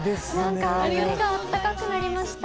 なんかあったかくなりました。